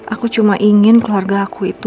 aku cuma ingin keluarga aku itu